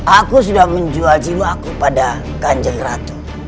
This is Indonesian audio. aku sudah menjual jiwa aku pada kanjeng ratu